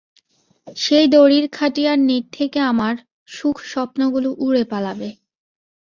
সেই দড়ির খাটিয়ার নীড় থেকে আমার সুখস্বপ্নগুলো উড়ে পালাবে।